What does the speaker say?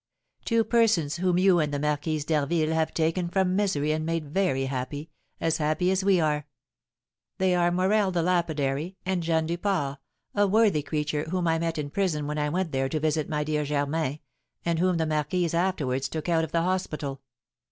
Two persons whom you and the Marquise d'Harville have taken from misery and made very happy, as happy as we are. They are Morel, the lapidary, and Jeanne Duport, a worthy creature whom I met in prison when I went there to visit my dear Germain, and whom the marquise afterwards took out of the hospital.